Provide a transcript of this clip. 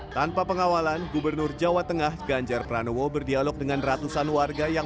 tanpa pengawalan gubernur jawa tengah ganjar pranowo berdialog dengan ratusan warga yang